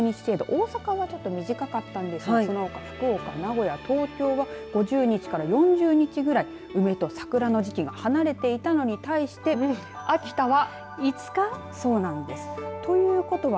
大阪はちょっと短かったんですがその他、福岡、名古屋東京は５０日から４０日ぐらい梅と桜の時期が離れていたのに対して秋田は。